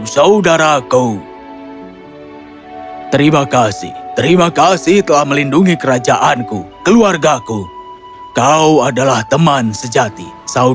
cinta dan kesetiaan adalah hal yang sangat kuat